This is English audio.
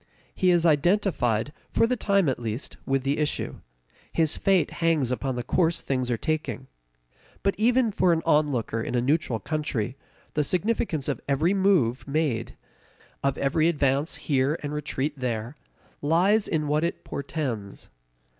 He is identified, for the time at least, with the issue; his fate hangs upon the course things are taking. But even for an onlooker in a neutral country, the significance of every move made, of every advance here and retreat there, lies in what it portends.